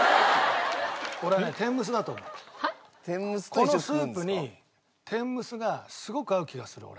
このスープに天むすがすごく合う気がする俺。